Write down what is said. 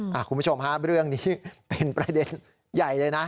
คุณผู้ชมฮะเรื่องนี้เป็นประเด็นใหญ่เลยนะ